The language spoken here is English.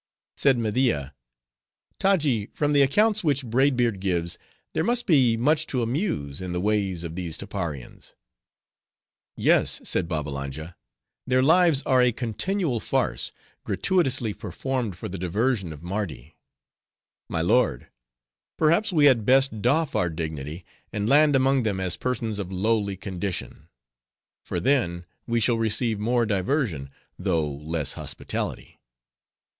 Said Media, "Taji, from the accounts which Braid Beard gives, there must be much to amuse, in the ways of these Tapparians." "Yes," said Babbalanja, "their lives are a continual farce, gratuitously performed for the diversion of Mardi. My lord, perhaps we had best doff our dignity, and land among them as persons of lowly condition; for then, we shall receive more diversion, though less hospitality."